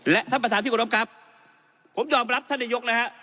และท่านประธานที่กรบครับผมยอมรับท่านนายกนะฮะ